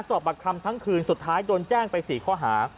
บักคำทั้งคืนสุดท้ายโดนแจ้งไป๔ข้อหา